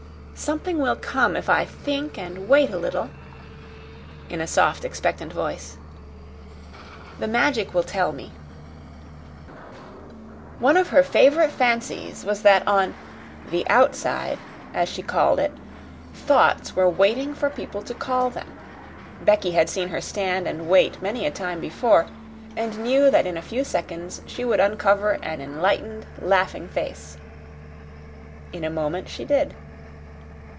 "Something will come if I think and wait a little" in a soft, expectant voice. "The Magic will tell me." One of her favorite fancies was that on "the outside," as she called it, thoughts were waiting for people to call them. Becky had seen her stand and wait many a time before, and knew that in a few seconds she would uncover an enlightened, laughing face. In a moment she did.